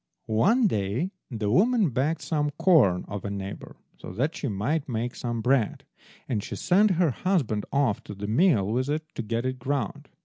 One day the woman begged some corn of a neighbour so that she might make some bread, and she sent her husband off to the mill with it to get it ground.